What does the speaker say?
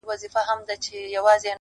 یا مېړونه بدل سوي یا اوښتي دي وختونه!!